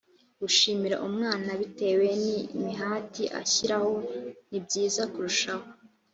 gushimira umwana bitewe n imihati ashyiraho ni byiza kurushaho